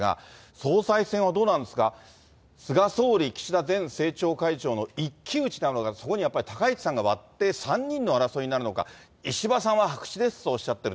総裁選はどうなんですか、菅総理、岸田前政調会長の一騎打ちなのか、そこにはやっぱり高市さんが割って、３人の争いになるのか、石破さんは白紙ですとおっしゃってる。